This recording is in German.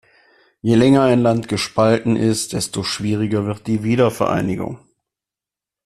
Je länger ein Land gespalten ist, desto schwieriger wird die Wiedervereinigung.